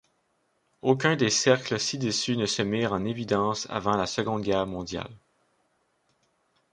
Aucun des cercles ci-dessus ne se mirent en évidence avant la Seconde Guerre mondiale.